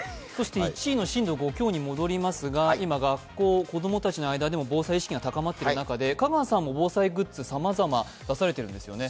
１位の震度５強に戻りますが、今学校、子供たちの中でも防災意識が高まっている中、香川さんも防災グッズをさまざま出されてますよね？